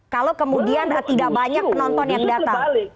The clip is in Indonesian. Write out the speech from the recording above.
kalau kemudian tidak banyak penonton yang datang